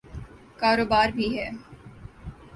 کاروبار بھی ہے۔